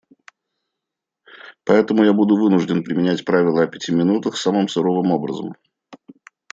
Поэтому я буду вынужден применять правило о пяти минутах самым суровым образом.